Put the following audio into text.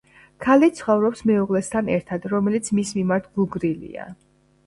ქალი ცხოვრობს მეუღლესთან ერთად, რომელიც მის მიმართ გულგრილია.